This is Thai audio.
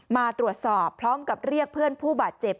มาตรวจสอบพร้อมกับเรียกเพื่อนผู้บาดเจ็บ